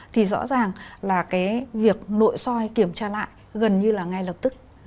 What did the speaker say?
thì rõ ràng là cái việc nội soi kiểm tra lại gần như là ngay lập tức